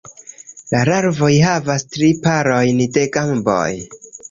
La larvoj havas tri parojn de gamboj.